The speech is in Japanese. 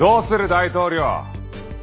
大統領。